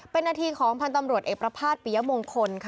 เป็นหน้าที่ของพันธุ์ตำรวจเอประภาษณ์ปิยมงคล